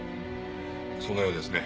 そのようですね。